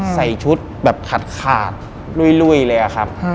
ใส่ชุดแบบขาดลุยเลยอะครับ